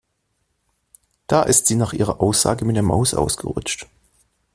Da ist sie nach ihrer Aussage mit der Maus ausgerutscht.